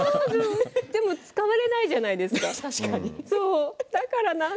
でも使われないじゃないですか。